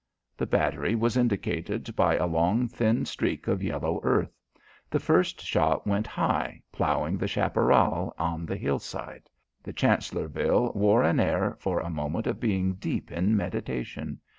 The battery was indicated by a long thin streak of yellow earth. The first shot went high, ploughing the chaparral on the hillside. The Chancellorville wore an air for a moment of being deep in meditation.